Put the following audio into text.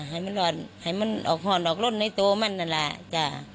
ให้มันออกหอนออกรถในตัวมันนั่นล่ะจ้า